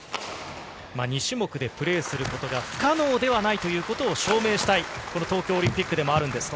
２種目でプレーすることが不可能ではないということを証明したい、この東京オリンピックでもあるんですと。